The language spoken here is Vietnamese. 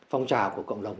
phong trào của cộng đồng